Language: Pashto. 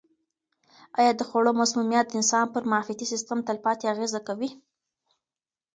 آیا د خوړو مسمومیت د انسان پر معافیتي سیستم تلپاتې اغېزه کوي؟